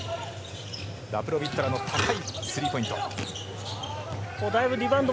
ラプロビットラの高いスリーポイント。